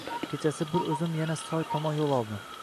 Kechasi bir o`zim yana soy tomon yo`l oldim